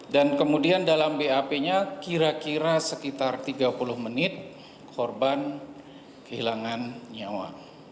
dan kemudian dalam bap nya kira kira sekitar tiga puluh menit korban kehilangan nyawa